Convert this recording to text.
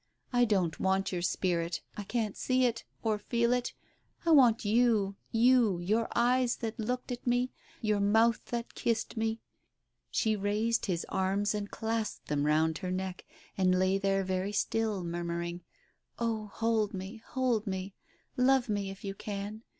I don't want your spirit — I can't see it — or feel it — I want you, you, your eyes that looked at me, your mouth that kissed me " She raised his arms and clasped them round her neck, and lay there very still, murmuring, "Oh, hold me, hold me I Love me if you can.